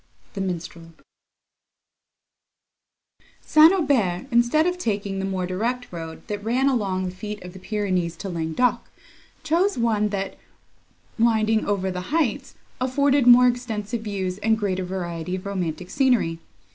THE MINSTREL St. Aubert, instead of taking the more direct road, that ran along the feet of the Pyrenees to Languedoc, chose one that, winding over the heights, afforded more extensive views and greater variety of romantic scenery.